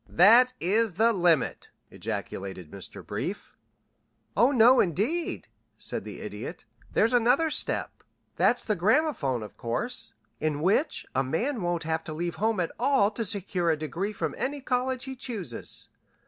"That is the limit!" ejaculated Mr. Brief. "Oh, no indeed," said the Idiot. "There's another step. That's the gramophone course, in which a man won't have to leave home at all to secure a degree from any college he chooses.